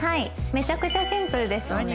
めちゃくちゃシンプルですよね。